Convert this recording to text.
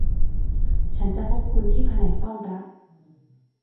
ฉันจะพบคุณที่แผนกต้อนรับ